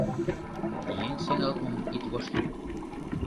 Еҥ сеҥалтмым ит воштыл.